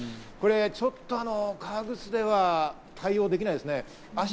これちょっと革靴では対応できないですね。